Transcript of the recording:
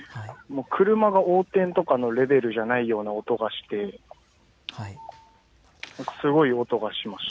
車の横転とかのレベルじゃないような音がしてすごい音がしました。